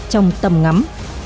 trong tầm ngắm